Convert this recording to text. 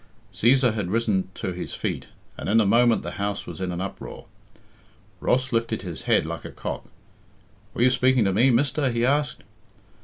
Cæsar had risen to his feet, and in a moment the house was in an uproar. Ross lifted his head like a cock. "Were you speaking to me, mister?" he asked.